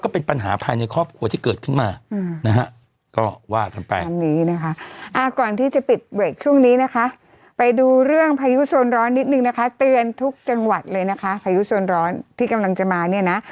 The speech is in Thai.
เป็นทุกจังหวัดเลยนะคะพายุโซนร้อนที่กำลังจะมาเนี่ยนะ